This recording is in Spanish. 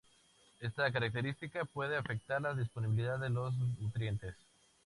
Esta característica puede afectar la disponibilidad de los nutrientes.